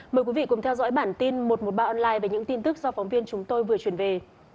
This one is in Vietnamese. mời quý vị cùng theo dõi bản tin một trăm một mươi ba online về những tin tức do phóng viên chúng tôi vừa truyền về